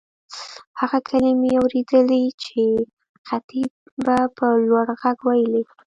هغه کلیمې اورېدلې چې خطیب به په لوړ غږ وېلې.